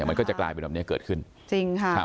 แต่มันก็จะกลายเป็นแบบนี้เกิดขึ้นจริงค่ะครับ